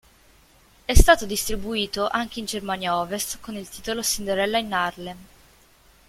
È stato distribuito anche in Germania Ovest con il titolo "Cinderella in Harlem".